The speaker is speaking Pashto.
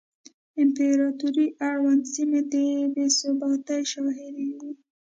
امپراتورۍ اړونده سیمې د بې ثباتۍ شاهدې وې